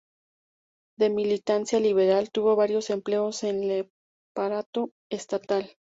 De militancia liberal, tuvo varios empleos en el aparato estatal.